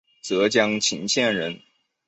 浙江鄞县人。